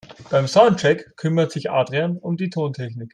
Beim Soundcheck kümmert sich Adrian um die Tontechnik.